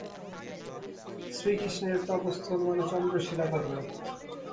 শ্রীকৃষ্ণের তপোস্থল মানে চন্দ্রশিলা পর্বত।